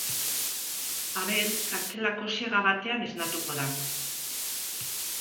Abel kartzelako ziega batean esnatuko da.